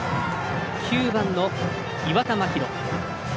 ９番の岩田真拡。